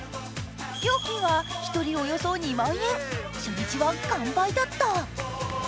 料金は１人およそ２万円、初日は完売だった。